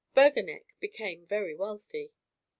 Berganeck became very wealthy.